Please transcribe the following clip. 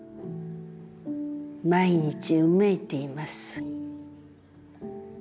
毎日呻いています。